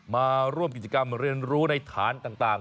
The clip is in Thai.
มาร่วมกิจกรรมเรียนรู้ในฐานต่าง